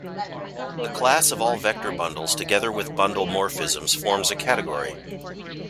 The class of all vector bundles together with bundle morphisms forms a category.